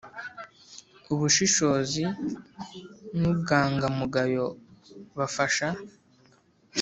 ubushishozi n ubwangamugayo bafasha